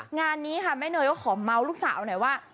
งานนี้ค่ะแม่เนยก็ขอเมาส์ลูกสาวหน่อยว่า